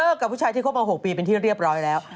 กับผู้ชายที่คบมา๖ปีเป็นที่เรียบร้อยแล้ว